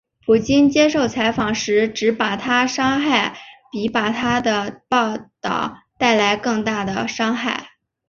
普京接受采访时指把她杀害比她的报导带来更大的伤害。